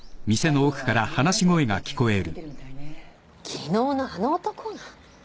昨日のあの男が？